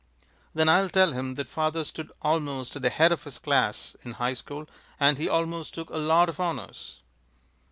"Then I'll tell him that father stood almost at the head of his class in high school, and he almost took a lot of honors."